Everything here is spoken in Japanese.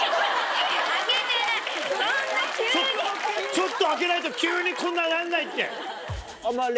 ちょっと開けないと急にこんななんないって。